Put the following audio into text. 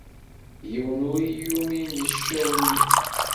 Yiwen ur iyi-yumin deg ccaw-nni.